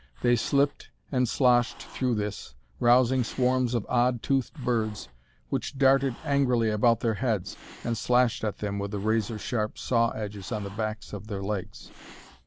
They slipped and sloshed through this, rousing swarms of odd, toothed birds, which darted angrily around their heads and slashed at them with the razor sharp saw edges on the back of their legs.